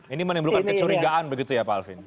ini menimbulkan kecurigaan begitu ya pak alvin